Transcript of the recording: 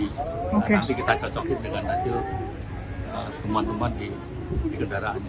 nah nanti kita cocokin dengan hasil temuan tempat di kendaraannya